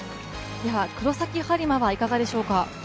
黒崎播磨はいかがでしょうか。